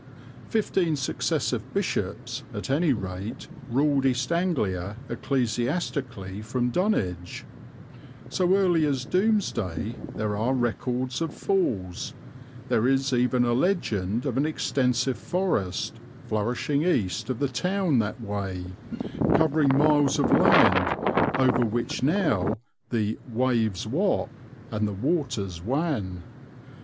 Fifteen successive bishops, at any rate, ruled East Anglia ecclesiastically from Dunwich. So early as Domesday there are records of falls; there is even a legend of an extensive forest, flourishing east of the town that way, covering miles of land over which now the "waves wap and the waters wan."